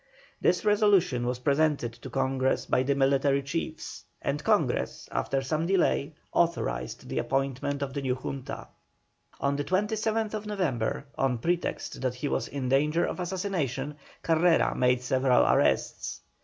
This resolution was presented to Congress by the military chiefs, and Congress, after some delay, authorised the appointment of the new Junta. On the 27th November, on pretext that he was in danger of assassination, Carrera made several arrests.